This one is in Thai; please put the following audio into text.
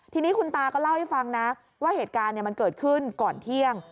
ทีนี้คุณตาก็เล่าให้ฟังนะว่าเหตุการณ์มันเกิดขึ้นก่อนเที่ยง